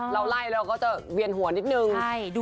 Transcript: เราไหล่เราก็เถอะเวียนหัวนิดนึง